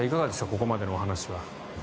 ここまでの話は。